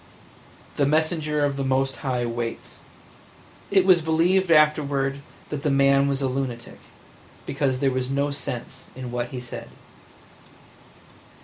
The messenger of the Most High waits!" It was believed afterward that the man was a lunatic, because there was no sense in what he said.